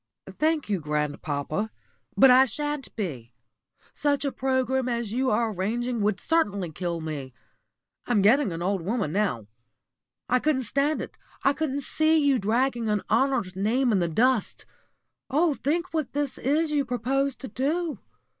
"Thank you, grandpapa, but I shan't be. Such a programme as you are arranging would certainly kill me. I'm getting an old woman now. I couldn't stand it, I couldn't see you dragging an honoured name in the dust. Oh, think what this is you propose to do!